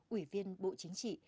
ủy viên bộ chính trị